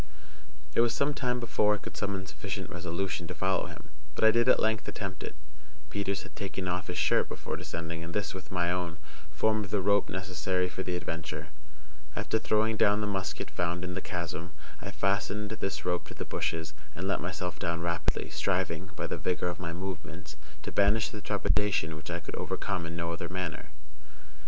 It was some time before I could summon sufficient resolution to follow him; but I did at length attempt it. Peters had taken off his shirt before descending, and this, with my own, formed the rope necessary for the adventure. After throwing down the musket found in the chasm, I fastened this rope to the bushes, and let myself down rapidly, striving, by the vigor of my movements, to banish the trepidation which I could overcome in no other manner.